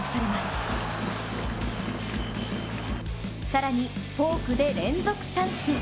更にフォークで連続三振。